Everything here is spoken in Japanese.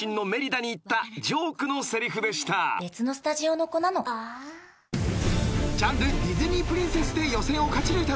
ジャンルディズニープリンセスで予選を勝ち抜いたのは接客